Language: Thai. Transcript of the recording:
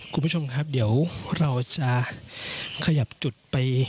คุณผู้ชมครับเดี๋ยวเราจะขยับจุดไป